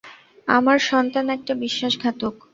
আমার সন্তান একটা বিশ্বাসঘাতক!